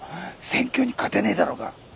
選挙に勝てねえだろうが。